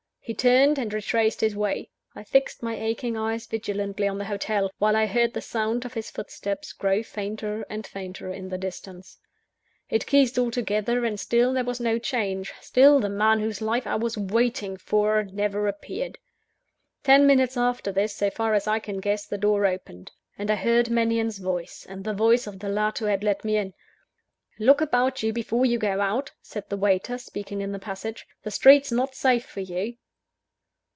He turned, and retraced his way. I fixed my aching eyes vigilantly on the hotel, while I heard the sound of his footsteps grow fainter and fainter in the distance. It ceased altogether; and still there was no change still the man whose life I was waiting for, never appeared. Ten minutes after this, so far as I can guess, the door opened; and I heard Mannion's voice, and the voice of the lad who had let me in. "Look about you before you go out," said the waiter, speaking in the passage; "the street's not safe for you."